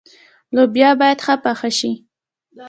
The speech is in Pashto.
لوبیا باید ښه پخه شي.